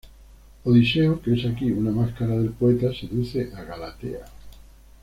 Odiseo, que es aquí una máscara del poeta, seduce a Galatea.